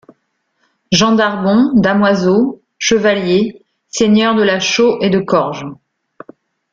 Jean d'Arbon, damoiseau, chevalier, seigneur de La Chaux et de Corges.